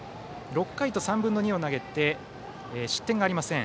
６回と３分の２を投げて失点がありません。